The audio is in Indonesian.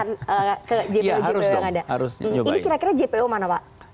nanti saya akan ke jpo jpo yang ada